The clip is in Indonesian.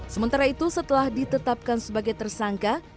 sementara itu setelah ditetapkan sebagai tersangka